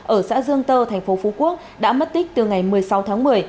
ở xã dương tơ tp phú quốc đã mất tích từ ngày một mươi sáu tháng một mươi